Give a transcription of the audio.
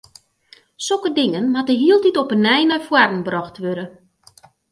Sokke dingen moatte hieltyd op 'e nij nei foaren brocht wurde.